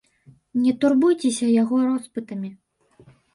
Не турбуйцеся яго роспытамі.